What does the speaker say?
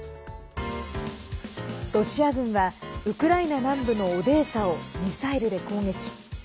ロシア軍はウクライナ南部のオデーサをミサイルで攻撃。